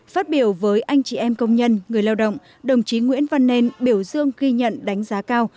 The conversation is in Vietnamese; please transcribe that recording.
phát biểu với anh chị em công nhân người lao động đồng chí nguyễn văn nên biểu dương ghi nhận đánh giá cao